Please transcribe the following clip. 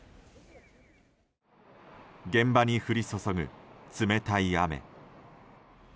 現場に降り注ぐ冷たい雨。